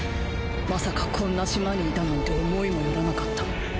まさかこんな島にいたなんて思いもよらなかった。